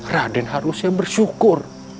raden harus bersyukur